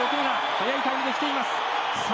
速いタイムで来ています。